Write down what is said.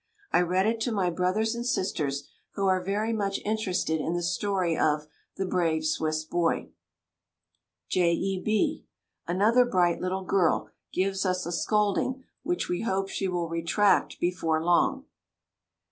I read it to my brothers and sisters, who are very much interested in the story of "The Brave Swiss Boy." J. E. B., another bright little girl, gives us a scolding, which we hope she will retract before long.